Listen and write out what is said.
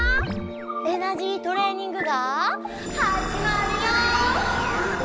「エナジートレーニング」がはじまるよ！